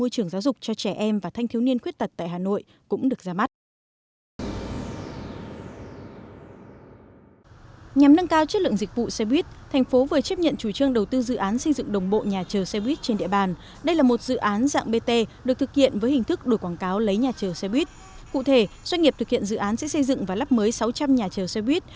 cụ thể doanh nghiệp thực hiện dự án sẽ xây dựng và lắp mới sáu trăm linh nhà chở xe buýt